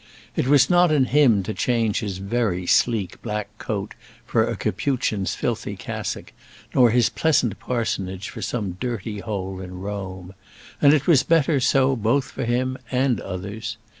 It was not in him to change his very sleek black coat for a Capuchin's filthy cassock, nor his pleasant parsonage for some dirty hole in Rome. And it was better so both for him and others.